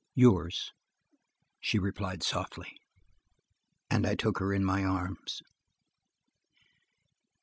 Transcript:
"Yours!" she replied softly, and I took her in my arms.